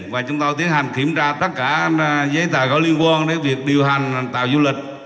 và chúng tôi tiến hành kiểm tra tất cả giấy tờ có liên quan đến việc điều hành tàu du lịch